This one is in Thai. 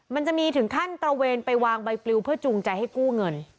มันจะมีถึงขั้นตระเวนไปวางใบปลิวเพื่อจูงใจให้กู้เงิน